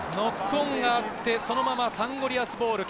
ノックオンがあって、そのままサンゴリアスボール。